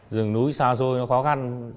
rừng núi xa xôi nó khó khăn